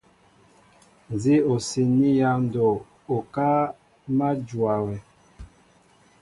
Nzi o siini ya ndoo, okáá ma njóa wɛ.